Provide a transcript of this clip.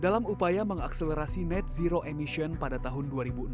dalam upaya mengakselerasi net zero emission pada tahun dua ribu enam belas